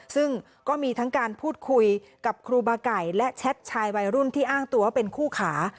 ซึ่งก็มีทั้งการพูดคุยกับครูบาไก่และแชทชายวัยรุ่นที่อ้างตัวว่าเป็นคู่ขา